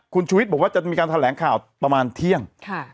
คุณชูวิทย์บอกว่าจะมีการแถลงข่าวประมาณเที่ยง